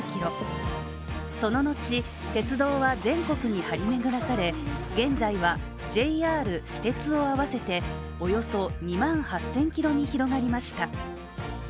その後、鉄道は全国に張り巡らされ現在はＪＲ、私鉄を合わせておよそ２万８０００ｋｍに広がりました。